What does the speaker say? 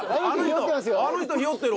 あの人ヒヨってる。